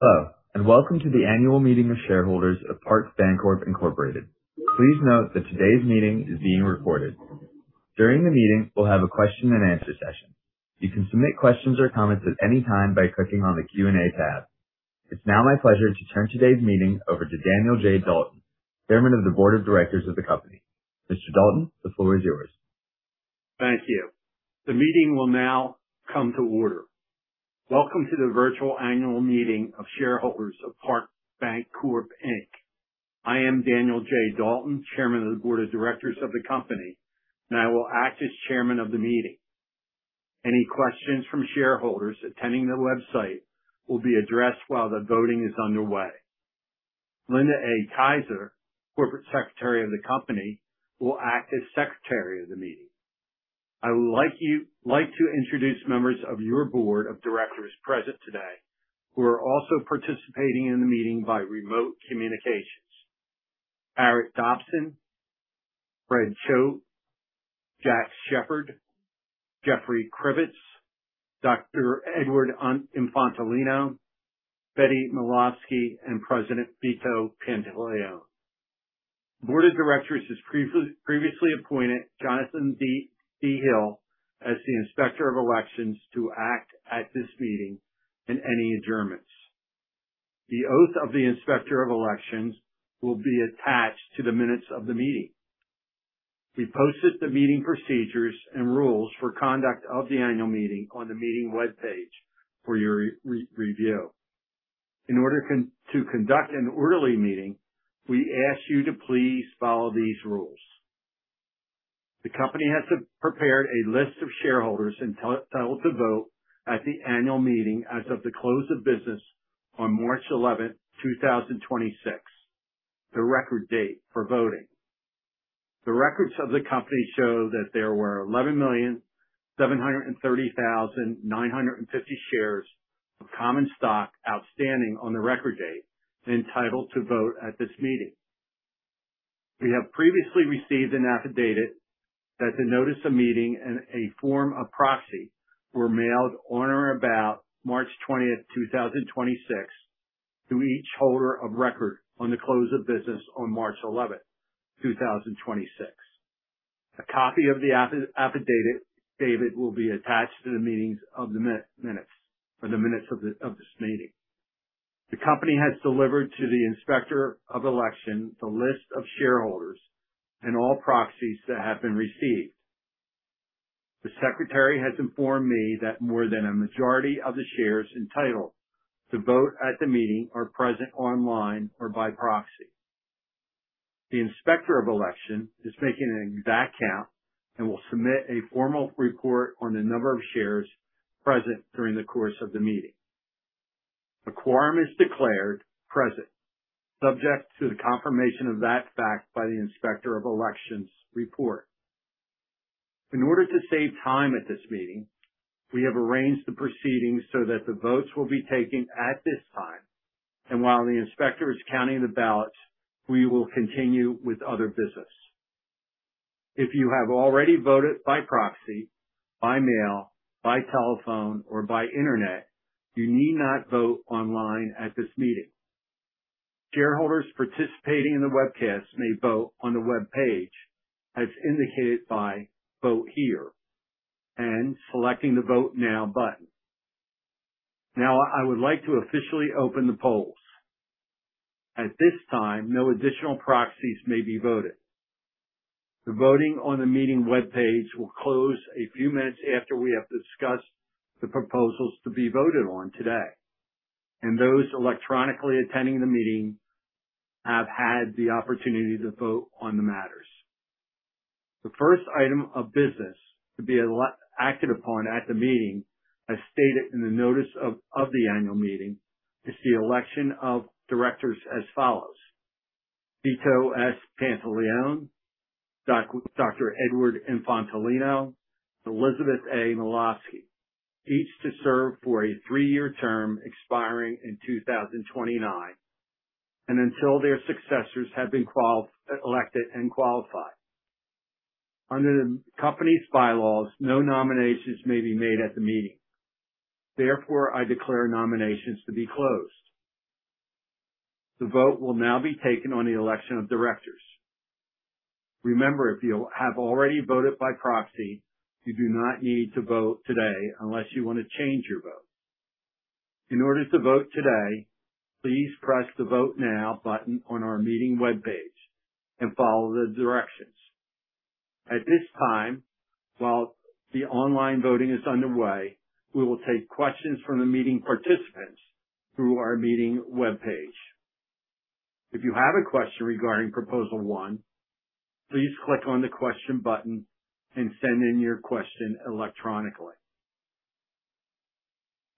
Hello, and welcome to the annual meeting of shareholders of Parke Bancorp, Inc. Please note that today's meeting is being recorded. During the meeting, we'll have a question and answer session. You can submit questions or comments at any time by clicking on the Q&A tab. It's now my pleasure to turn today's meeting over to Daniel J. Dalton, Chairman of the Board of Directors of the company. Mr. Dalton, the floor is yours. Thank you. The meeting will now come to order. Welcome to the virtual annual meeting of shareholders of Parke Bancorp, Inc. I am Daniel J. Dalton, Chairman of the board of directors of the company, and I will act as Chairman of the meeting. Any questions from shareholders attending via the website will be addressed while the voting is underway. Linda A. Kaiser, Corporate Secretary of the company, will act as Secretary of the meeting. I would like to introduce members of your board of directors present today who are also participating in the meeting by remote communications. Arret Dobson, Fred Choate, Jack Sheppard, Jeffrey Kripitz, Dr. Edward Infantolino, Betty Milavsky, and President Vito Pantilione. The Board of Directors has previously appointed Jonathan D. Hill as the Inspector of Elections to act at this meeting and any adjournaments. The oath of the Inspector of Elections will be attached to the minutes of the meeting. We posted the meeting procedures and rules for conduct of the annual meeting on the meeting webpage for your review. In order to conduct an orderly meeting, we ask you to please follow these rules. The company has prepared a list of shareholders entitled to vote at the annual meeting as of the close of business on March 11th, 2026, the record date for voting. The records of the company show that there were 11,730,950 shares of common stock outstanding on the record date entitled to vote at this meeting. We have previously received an affidavit that the notice of meeting and a form of proxy were mailed on or about March 20th, 2026 to each holder of record on the close of business on March 11th, 2026. A copy of the affidavit will be attached to the minutes of this meeting. The company has delivered to the Inspector of Election the list of shareholders and all proxies that have been received. The Secretary has informed me that more than a majority of the shares entitled to vote at the meeting are present online or by proxy. The Inspector of Election is making an exact count and will submit a formal report on the number of shares present during the course of the meeting. A quorum is declared present, subject to the confirmation of that fact by the Inspector of Election's report. In order to save time at this meeting, we have arranged the proceedings so that the votes will be taken at this time, and while the inspector is counting the ballots, we will continue with other business. If you have already voted by proxy, by mail, by telephone, or by internet, you need not vote online at this meeting. Shareholders participating in the webcast may vote on the web page as indicated by Vote Here and selecting the Vote Now button. Now, I would like to officially open the polls. At this time, no additional proxies may be voted. The voting on the meeting webpage will close a few minutes after we have discussed the proposals to be voted on today, and those electronically attending the meeting have had the opportunity to vote on the matters. The first item of business to be acted upon at the meeting, as stated in the notice of the annual meeting, is the election of directors as follows: Vito S. Pantilione, Dr. Edward Infantolino, Elizabeth A. Milavsky, each to serve for a three-year term expiring in 2029 and until their successors have been elected and qualified. Under the company's bylaws, no nominations may be made at the meeting. Therefore, I declare nominations to be closed. The vote will now be taken on the election of directors. Remember, if you have already voted by proxy, you do not need to vote today unless you want to change your vote. In order to vote today, please press the Vote Now button on our meeting webpage and follow the directions. At this time, while the online voting is underway, we will take questions from the meeting participants through our meeting webpage. If you have a question regarding proposal 1, please click on the question button and send in your question electronically.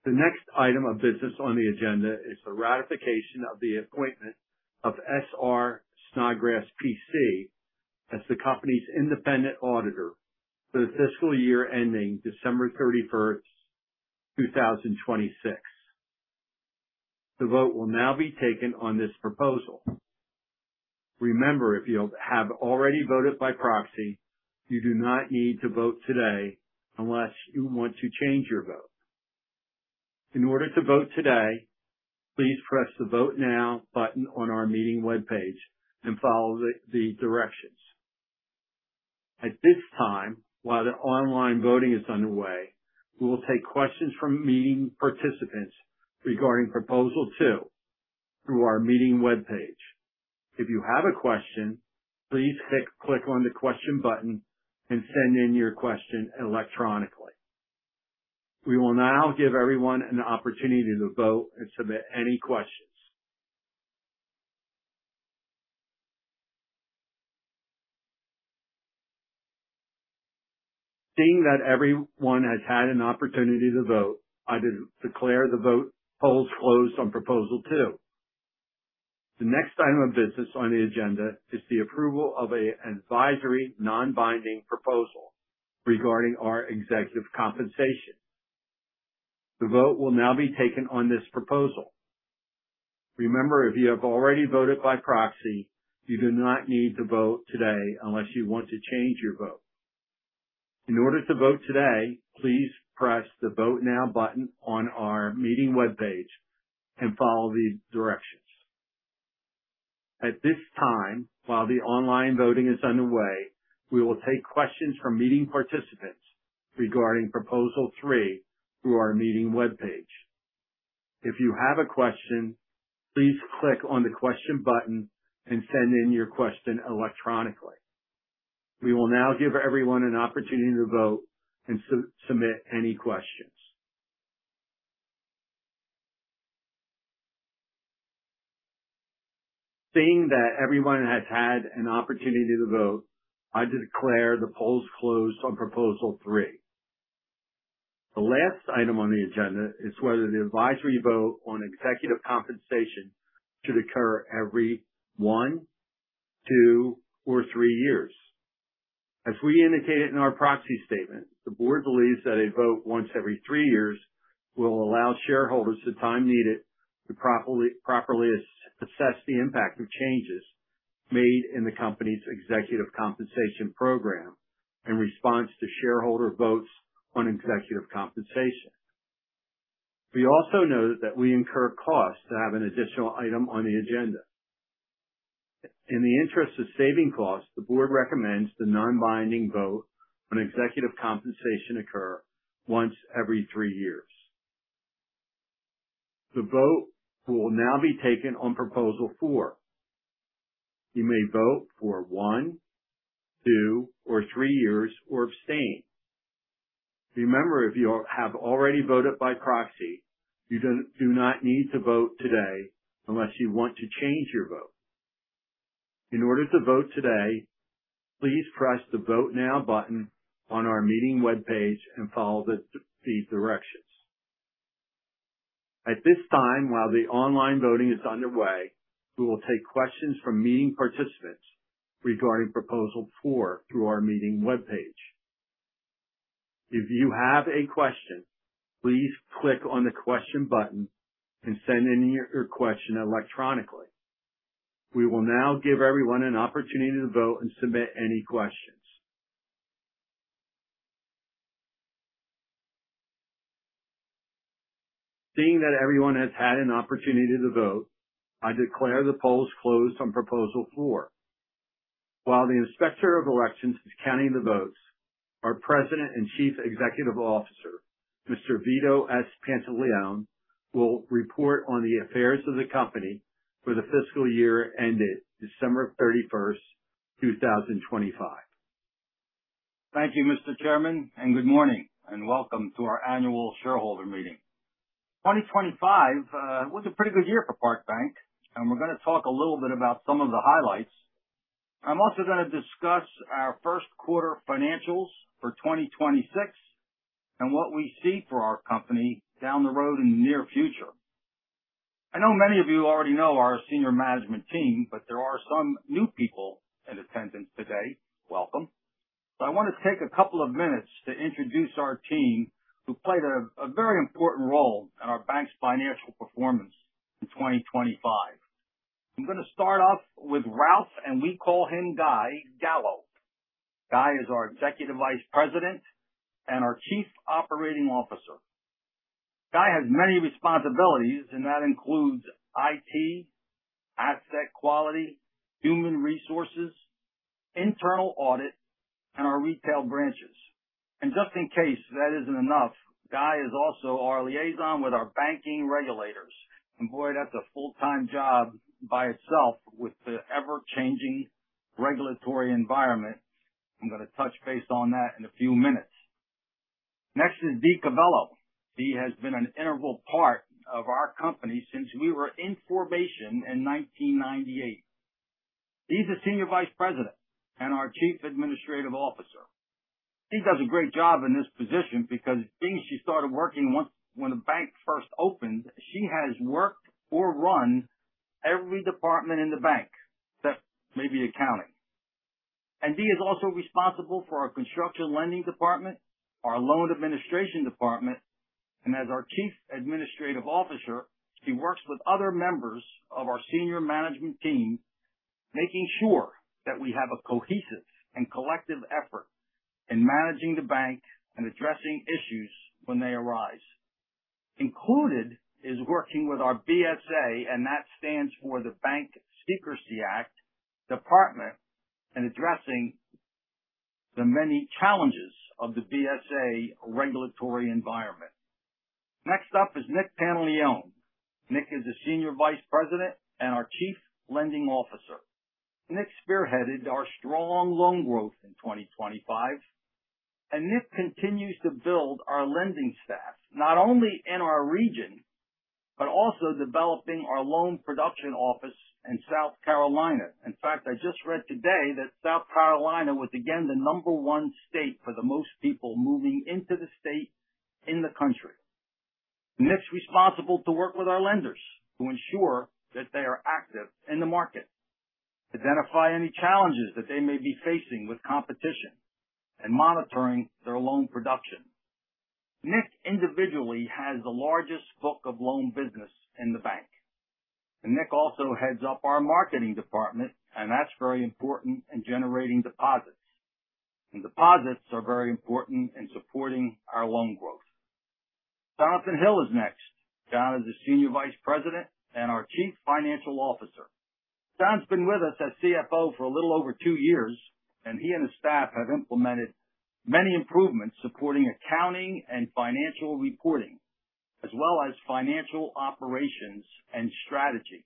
The next item of business on the agenda is the ratification of the appointment of S.R. Snodgrass, P.C. as the company's independent auditor for the fiscal year ending December 31st, 2026. The vote will now be taken on this proposal. Remember, if you have already voted by proxy, you do not need to vote today unless you want to change your vote. In order to vote today, please press the Vote Now button on our meeting webpage and follow the directions. At this time, while the online voting is underway, we will take questions from meeting participants regarding proposal 2 through our meeting webpage. If you have a question, please click on the Question button and send in your question electronically. We will now give everyone an opportunity to vote and submit any questions. Seeing that everyone has had an opportunity to vote, I declare the vote polls closed on proposal 2. The next item of business on the agenda is the approval of an advisory non-binding proposal regarding our executive compensation. The vote will now be taken on this proposal. Remember, if you have already voted by proxy, you do not need to vote today unless you want to change your vote. In order to vote today, please press the Vote Now button on our meeting webpage and follow the directions. At this time, while the online voting is underway, we will take questions from meeting participants regarding proposal 3 through our meeting webpage. If you have a question, please click on the Question button and send in your question electronically. We will now give everyone an opportunity to vote and submit any questions. Seeing that everyone has had an opportunity to vote, I declare the polls closed on proposal 3. The last item on the agenda is whether the advisory vote on executive compensation should occur every 1, 2, or 3 years. As we indicated in our proxy statement, the board believes that a vote once every three years will allow shareholders the time needed to properly assess the impact of changes made in the company's executive compensation program in response to shareholder votes on executive compensation. We also note that we incur costs to have an additional item on the agenda. In the interest of saving costs, the board recommends the non-binding vote on executive compensation occur once every three years. The vote will now be taken on proposal 4. You may vote for 1, 2, or 3 years, or abstain. Remember, if you have already voted by proxy, you do not need to vote today unless you want to change your vote. In order to vote today, please press the Vote Now button on our meeting webpage and follow the directions. At this time, while the online voting is underway, we will take questions from meeting participants regarding Proposal Four through our meeting webpage. If you have a question, please click on the Question button and send in your question electronically. We will now give everyone an opportunity to vote and submit any questions. Seeing that everyone has had an opportunity to vote, I declare the polls closed on Proposal Four. While the Inspector of Elections is counting the votes, our President and Chief Executive Officer, Mr. Vito S. Pantilione. Vito Pantilione will report on the affairs of the company for the fiscal year ended December 31st, 2025. Thank you, Mr. Chairman, and good morning, and welcome to our annual shareholder meeting. 2025 was a pretty good year for Parke Bank, and we're gonna talk a little bit about some of the highlights. I'm also gonna discuss our first quarter financials for 2026 and what we see for our company down the road in the near future. I know many of you already know our senior management team, but there are some new people in attendance today. Welcome. I want to take a couple of minutes to introduce our team who played a very important role in our bank's financial performance in 2025. I'm gonna start off with Ralph, and we call him Guy Gallo. Guy is our Executive Vice President and our Chief Operating Officer. Guy has many responsibilities, and that includes IT, asset quality, human resources, internal audit, and our retail branches. Just in case that isn't enough, Guy is also our liaison with our banking regulators. Boy, that's a full-time job by itself with the ever-changing regulatory environment. I'm gonna touch base on that in a few minutes. Next is Dee Calvello. Dee has been an integral part of our company since we were in formation in 1998. Dee's a Senior Vice President and our Chief Administrative Officer. Dee does a great job in this position because since she started working when the bank first opened, she has worked or run every department in the bank, except maybe accounting. Dee is also responsible for our construction lending department, our loan administration department, and as our Chief Administrative Officer, she works with other members of our senior management team, making sure that we have a cohesive and collective effort in managing the bank and addressing issues when they arise. It includes working with our BSA, and that stands for the Bank Secrecy Act department, in addressing the many challenges of the BSA regulatory environment. Next up is Nick Pantilione. Nick is a Senior Vice President and our Chief Lending Officer. Nick spearheaded our strong loan growth in 2025, and Nick continues to build our lending staff, not only in our region, but also developing our loan production office in South Carolina. In fact, I just read today that South Carolina was again the number one state for the most people moving into the state in the country. Nick's responsible to work with our lenders to ensure that they are active in the market, identify any challenges that they may be facing with competition, and monitoring their loan production. Nick individually has the largest book of loan business in the bank. Nick also heads up our marketing department, and that's very important in generating deposits. Deposits are very important in supporting our loan growth. Jonathan Hill is next. Jon is a Senior Vice President and our Chief Financial Officer. Jon's been with us as CFO for a little over two years, and he and his staff have implemented many improvements supporting accounting and financial reporting, as well as financial operations and strategy.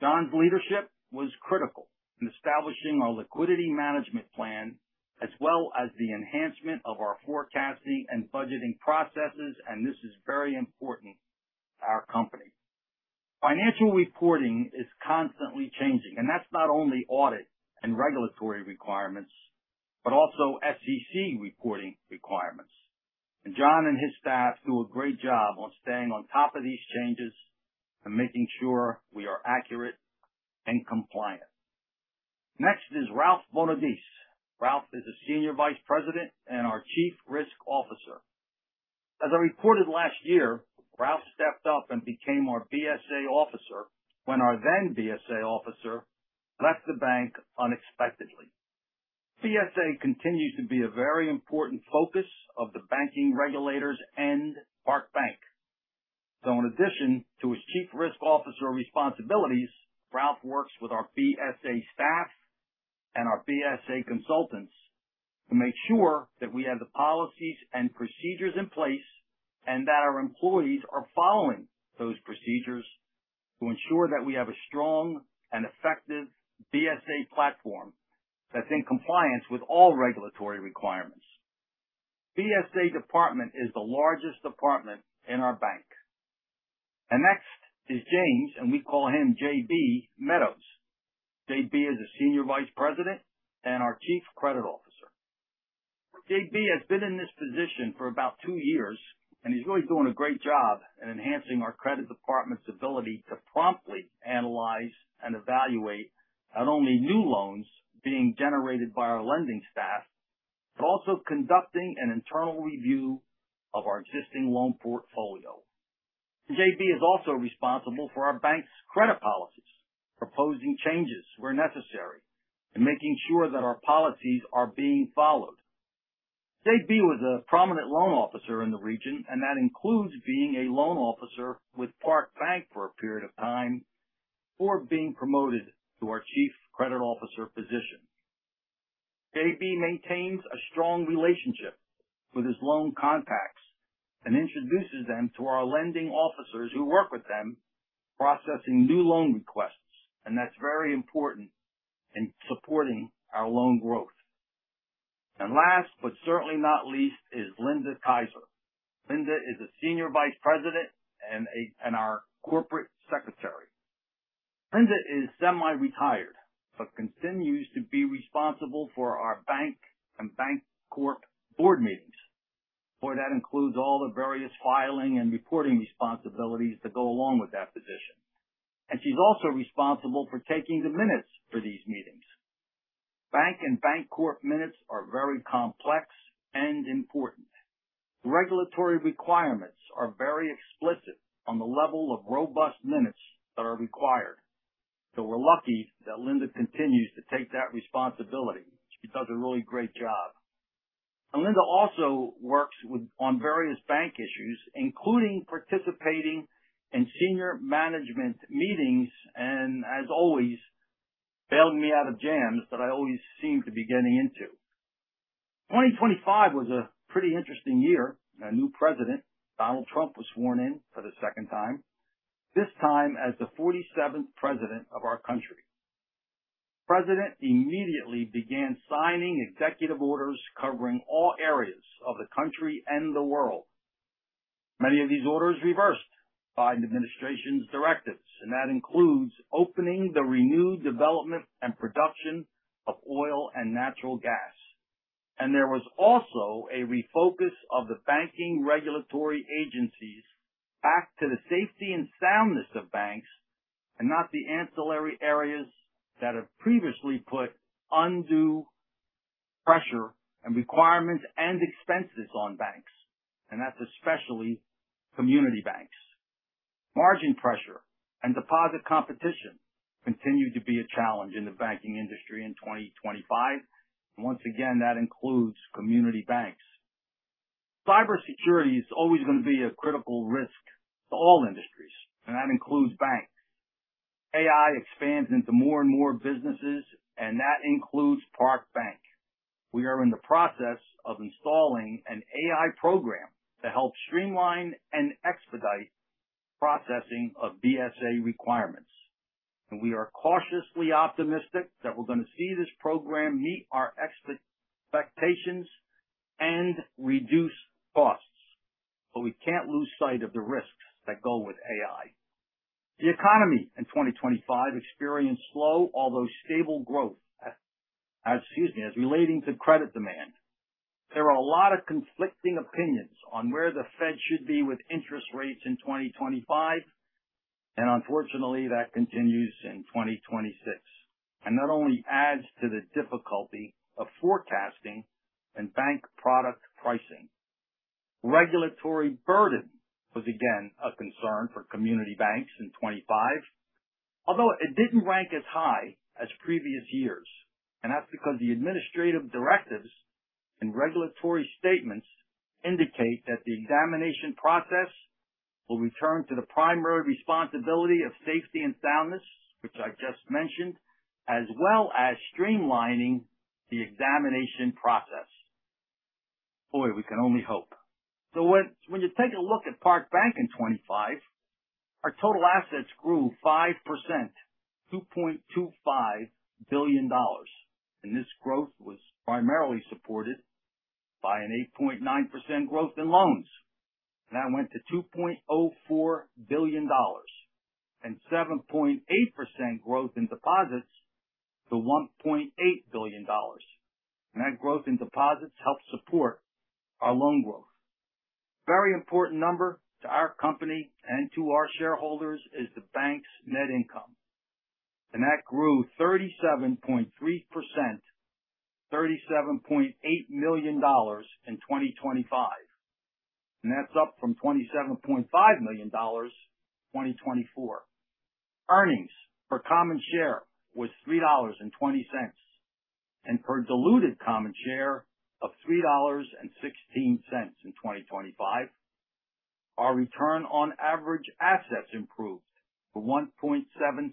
Jon's leadership was critical in establishing our liquidity management plan, as well as the enhancement of our forecasting and budgeting processes, and this is very important to our company. Financial reporting is constantly changing, and that's not only audit and regulatory requirements, but also SEC reporting requirements. Jon and his staff do a great job on staying on top of these changes and making sure we are accurate and compliant. Next is Ralph Bonadies. Ralph is a Senior Vice President and our Chief Risk Officer. As I reported last year, Ralph stepped up and became our BSA officer when our then BSA officer left the bank unexpectedly. BSA continues to be a very important focus of the banking regulators and Parke Bank. In addition to his Chief Risk Officer responsibilities, Ralph works with our BSA staff and our BSA consultants to make sure that we have the policies and procedures in place, and that our employees are following those procedures to ensure that we have a strong and effective BSA platform that's in compliance with all regulatory requirements. BSA department is the largest department in our bank. Next is James, and we call him JB Meadows. JB is a Senior Vice President and our Chief Credit Officer. JB has been in this position for about two years, and he's really doing a great job in enhancing our credit department's ability to promptly analyze and evaluate not only new loans being generated by our lending staff, but also conducting an internal review of our existing loan portfolio. JB is also responsible for our bank's credit policies, proposing changes where necessary, and making sure that our policies are being followed. JB was a prominent loan officer in the region, and that includes being a loan officer with Parke Bank for a period of time before being promoted to our chief credit officer position. JB maintains a strong relationship with his loan contacts and introduces them to our lending officers who work with them processing new loan requests, and that's very important in supporting our loan growth. Last, but certainly not least, is Linda Kaiser. Linda is a Senior Vice President and our Corporate Secretary. Linda is semi-retired, but continues to be responsible for our Bank and Bancorp board meetings. Boy, that includes all the various filing and reporting responsibilities that go along with that position. She's also responsible for taking the minutes for these meetings. Bank and Bancorp minutes are very complex and important. The regulatory requirements are very explicit on the level of robust minutes that are required. We're lucky that Linda continues to take that responsibility. She does a really great job. Linda also works on various bank issues, including participating in senior management meetings, and as always, bailing me out of jams that I always seem to be getting into. 2025 was a pretty interesting year. A new president, Donald Trump, was sworn in for the second time, this time as the 47th president of our country. The president immediately began signing executive orders covering all areas of the country and the world. Many of these orders reversed Biden administration's directives, and that includes opening the renewed development and production of oil and natural gas. There was also a refocus of the banking regulatory agencies back to the safety and soundness of banks and not the ancillary areas that have previously put undue pressure and requirements and expenses on banks, and that's especially community banks. Margin pressure and deposit competition continued to be a challenge in the banking industry in 2025. Once again, that includes community banks. Cybersecurity is always going to be a critical risk to all industries, and that includes banks. AI expands into more and more businesses, and that includes Parke Bank. We are in the process of installing an AI program to help streamline and expedite processing of BSA requirements. We are cautiously optimistic that we're going to see this program meet our expectations and reduce costs. We can't lose sight of the risks that go with AI. The economy in 2025 experienced slow, although stable, growth as relating to credit demand. There are a lot of conflicting opinions on where the Fed should be with interest rates in 2025, and unfortunately, that continues in 2026, not only adds to the difficulty of forecasting and bank product pricing. Regulatory burden was again a concern for community banks in 2025, although it didn't rank as high as previous years. That's because the administrative directives and regulatory statements indicate that the examination process will return to the primary responsibility of safety and soundness, which I just mentioned, as well as streamlining the examination process. Boy, we can only hope. When you take a look at Parke Bank in 2025, our total assets grew 5%, $2.25 billion. This growth was primarily supported by an 8.9% growth in loans. That went to $2.04 billion. 7.8% Growth in deposits to $1.8 billion. That growth in deposits helped support our loan growth. Very important number to our company and to our shareholders is the bank's net income. That grew 37.3%, $37.8 million in 2025. That's up from $27.5 million, 2024. Earnings per common share was $3.20, and per diluted common share was $3.16 in 2025. Our return on average assets improved to 1.77%.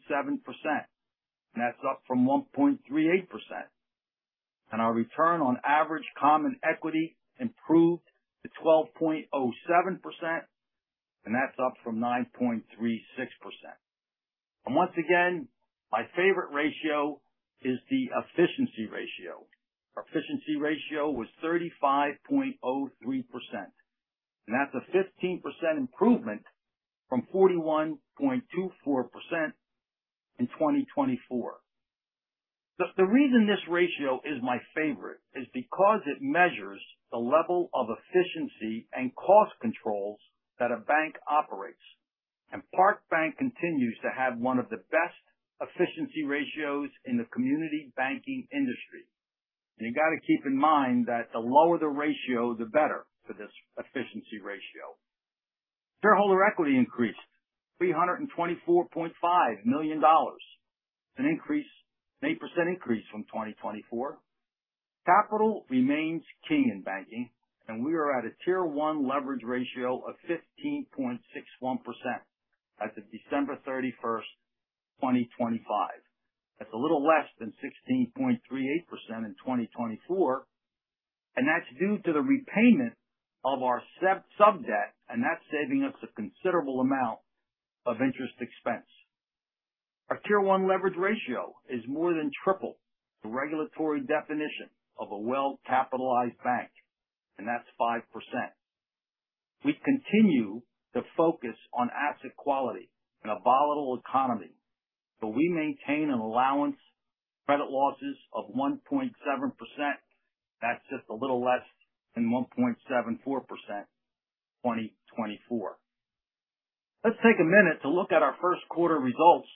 That's up from 1.38%. Our return on average common equity improved to 12.07%, and that's up from 9.36%. Once again, my favorite ratio is the efficiency ratio. Our efficiency ratio was 35.03%. That's a 15% improvement from 41.24% in 2024. The reason this ratio is my favorite is because it measures the level of efficiency and cost controls that a bank operates. Parke Bank continues to have one of the best efficiency ratios in the community banking industry. You got to keep in mind that the lower the ratio, the better for this efficiency ratio. Shareholder equity increased $324.5 million. 8% increase from 2024. Capital remains king in banking, and we are at a Tier 1 leverage ratio of 15.61% as of December 31st, 2025. That's a little less than 16.38% in 2024, and that's due to the repayment of our sub-debt, and that's saving us a considerable amount of interest expense. Our Tier 1 leverage ratio is more than triple the regulatory definition of a well-capitalized bank, and that's 5%. We continue to focus on asset quality in a volatile economy, but we maintain an allowance for credit losses of 1.7%. That's just a little less than 1.74% in 2024. Let's take a minute to look at our first quarter results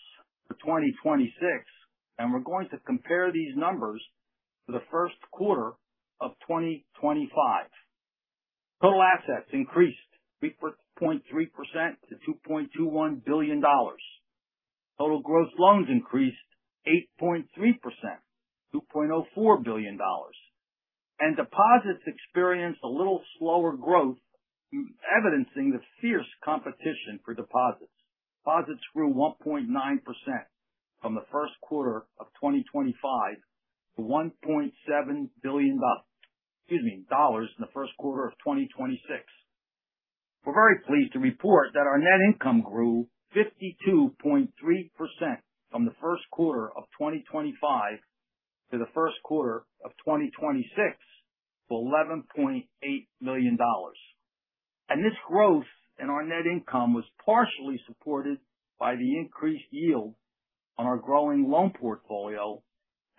for 2026, and we're going to compare these numbers to the first quarter of 2025. Total assets increased 3.3% to $2.21 billion. Total gross loans increased 8.3%, $2.04 billion. Deposits experienced a little slower growth, evidencing the fierce competition for deposits. Deposits grew 1.9% from the first quarter of 2025 to $1.7 billion in the first quarter of 2026. We're very pleased to report that our net income grew 52.3% from the first quarter of 2025 to the first quarter of 2026 to $11.8 million. This growth in our net income was partially supported by the increased yield on our growing loan portfolio,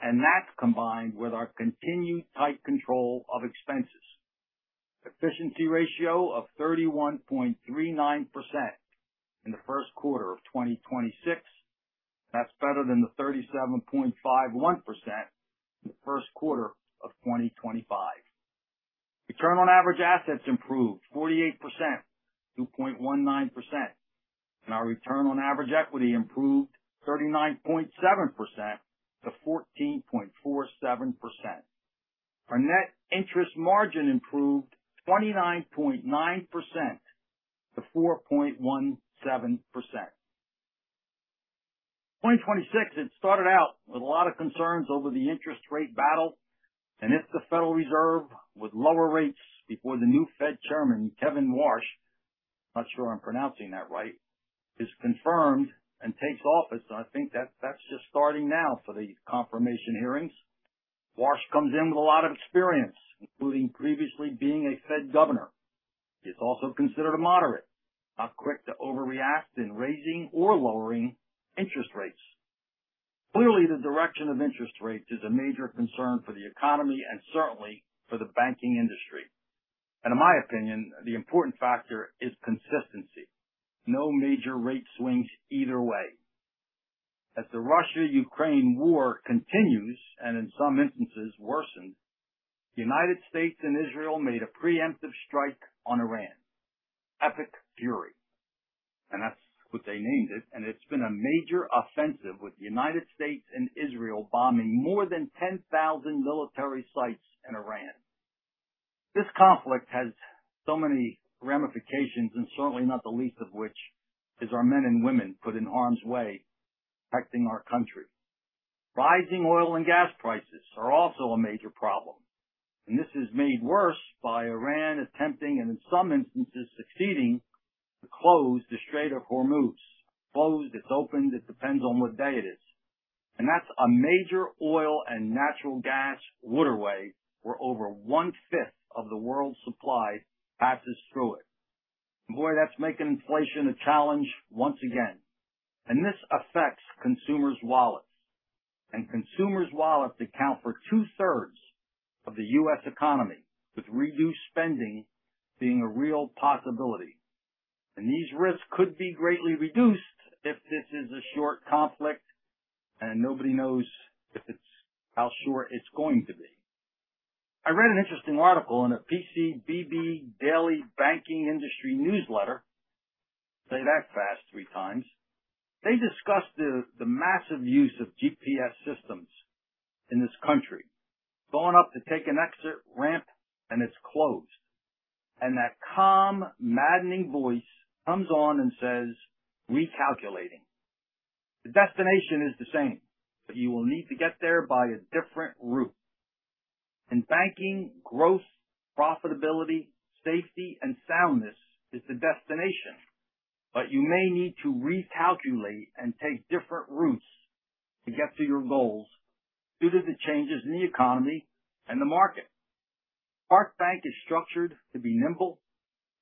and that combined with our continued tight control of expenses. Efficiency ratio of 31.39% in the first quarter of 2026. That's better than the 37.51% in the first quarter of 2025. Return on average assets improved 48%-0.19%. Our return on average equity improved 39.7%- 14.47%. Our net interest margin improved 29.9%-4.17%. 2026 had started out with a lot of concerns over the interest rate battle, and it's the Federal Reserve with lower rates before the new Fed Chairman, Kevin Warsh, not sure I'm pronouncing that right, is confirmed and takes office. I think that's just starting now for the confirmation hearings. Warsh comes in with a lot of experience, including previously being a Fed Governor. He's also considered a moderate, not quick to overreact in raising or lowering interest rates. Clearly, the direction of interest rates is a major concern for the economy and certainly for the banking industry. In my opinion, the important factor is consistency. No major rate swings either way. As the Russia-Ukraine war continues, and in some instances worsens, the United States and Israel made a preemptive strike on Iran. Epic Fury, and that's what they named it, and it's been a major offensive with the United States and Israel bombing more than 10,000 military sites in Iran. This conflict has so many ramifications, and certainly not the least of which is our men and women put in harm's way protecting our country. Rising oil and gas prices are also a major problem, and this is made worse by Iran attempting, and in some instances, succeeding to close the Strait of Hormuz, closed, it's opened, it depends on what day it is. That's a major oil and natural gas waterway where over one-fifth of the world's supply passes through it. Boy, that's making inflation a challenge once again. This affects consumers' wallets. Consumers' wallets account for two-thirds of the U.S. economy, with reduced spending being a real possibility. These risks could be greatly reduced if this is a short conflict, and nobody knows how short it's going to be. I read an interesting article in a PCBB daily banking industry newsletter. Say that fast three times. They discussed the massive use of GPS systems in this country. Going up to take an exit ramp, and it's closed. That calm, maddening voice comes on and says, "Recalculating." The destination is the same, but you will need to get there by a different route. In banking, growth, profitability, safety, and soundness is the destination. You may need to recalculate and take different routes to get to your goals due to the changes in the economy and the market. Parke Bank is structured to be nimble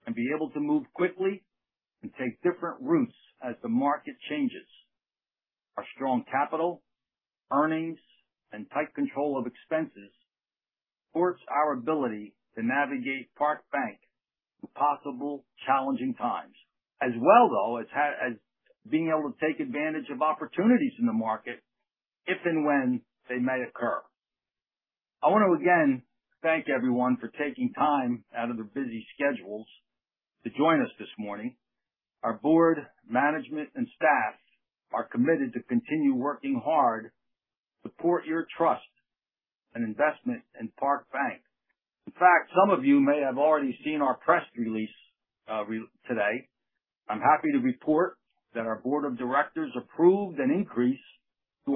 and be able to move quickly and take different routes as the market changes. Our strong capital, earnings, and tight control of expenses supports our ability to navigate Parke Bank through possible challenging times, as well, though, as being able to take advantage of opportunities in the market if and when they may occur. I want to again thank everyone for taking time out of their busy schedules to join us this morning. Our board, management, and staff are committed to continue working hard to support your trust and investment in Parke Bank. In fact, some of you may have already seen our press release today. I'm happy to report that our board of directors approved an increase to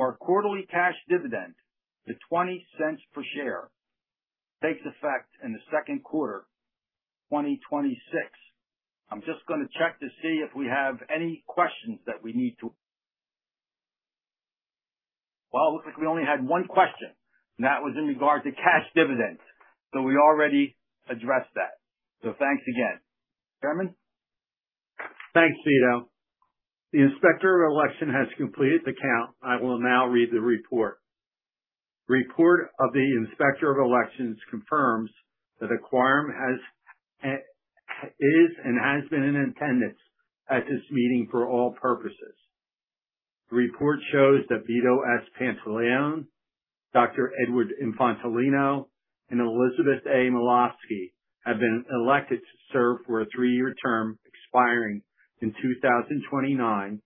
our quarterly cash dividend to $0.20 per share, takes effect in the second quarter 2026. I'm just going to check to see if we have any questions that we need to. Well, it looks like we only had one question, and that was in regard to cash dividends. We already addressed that. Thanks again. Chairman? Thanks, Vito. The Inspector of Election has completed the count. I will now read the report. Report of the Inspector of Elections confirms that a quorum is and has been in attendance at this meeting for all purposes. The report shows that Vito S. Pantilione, Dr. Edward Infantolino, and Elizabeth A. Milavsky have been elected to serve for a three-year term expiring in 2029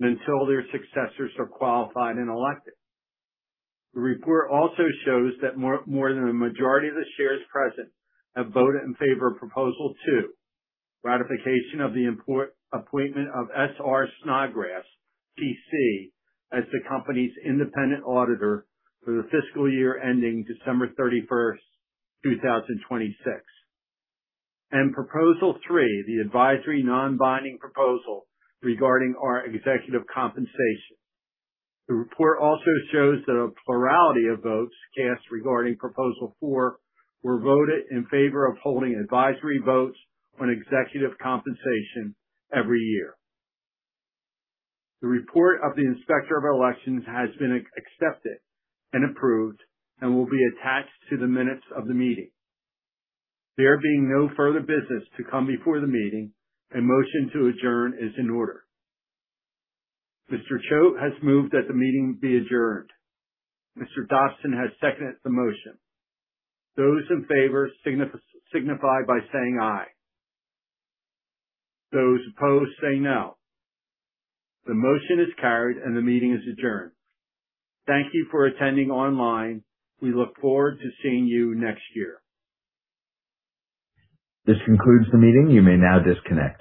and until their successors are qualified and elected. The report also shows that more than a majority of the shares present have voted in favor of proposal 2, ratification of the appointment of S.R. Snodgrass, P.C., as the company's independent auditor for the fiscal year ending December 31st, 2026. Proposal 3, the advisory non-binding proposal regarding our executive compensation. The report also shows that a plurality of votes cast regarding proposal 4 were voted in favor of holding advisory votes on executive compensation every year. The report of the Inspector of Elections has been accepted and approved and will be attached to the minutes of the meeting. There being no further business to come before the meeting, a motion to adjourn is in order. Mr. Choate has moved that the meeting be adjourned. Mr. Dobson has seconded the motion. Those in favor signify by saying "aye." Those opposed say "no." The motion is carried, and the meeting is adjourned. Thank you for attending online. We look forward to seeing you next year. This concludes the meeting. You may now disconnect.